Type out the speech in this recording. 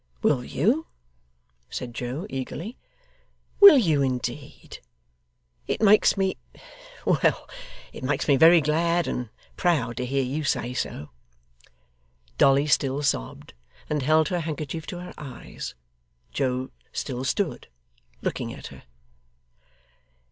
'Will you?' said Joe, eagerly. 'Will you indeed? It makes me well, it makes me very glad and proud to hear you say so.' Dolly still sobbed, and held her handkerchief to her eyes. Joe still stood, looking at her.